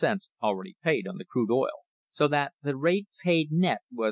67 already paid on the crude oil. So that the rate paid net was $1.